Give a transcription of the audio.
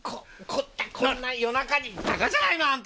こんな夜中にバカじゃないのあんた？